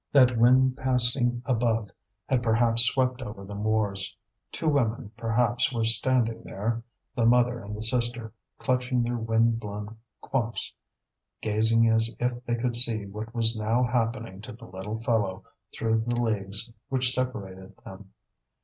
That wind passing above had perhaps swept over the moors. Two women perhaps were standing there, the mother and the sister, clutching their wind blown coifs, gazing as if they could see what was now happening to the little fellow through the leagues which separated them.